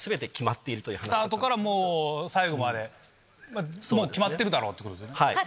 スタートからもう最後までもう決まってるだろうってことですよね？